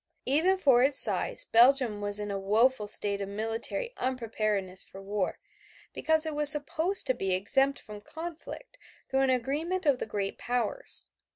Even for its size, Belgium was in a woeful state of military unpreparedness for war, because it was supposed to be exempt from conflict through an agreement of the great powers.